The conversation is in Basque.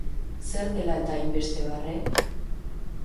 Zer dela eta hainbeste barre?